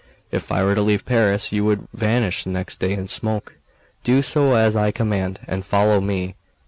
If I were to leave Paris, you would vanish the next day in smoke; so do as I command, and follow me."